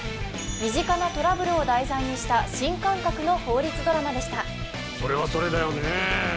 身近なトラブルを題材にした新感覚の法律ドラマでしたそれはそれだよねえええ